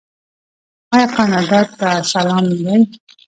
آیا کاناډا ته سلام نه دی؟